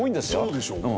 そうでしょ。